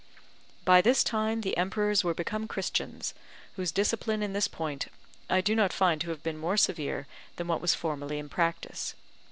By this time the emperors were become Christians, whose discipline in this point I do not find to have been more severe than what was formerly in practice.